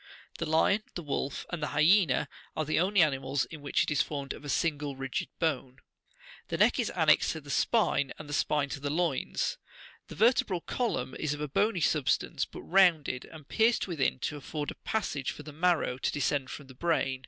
The lion, the wolf, and the hyaena are the only animals in which it is formed of a single60 rigid bone. The neck is annexed to the spine, and the spine to the loins, The vertebral column is of a bony substance, but rounded, and pierced within, to afford a passage for the marrow to descend from the brain.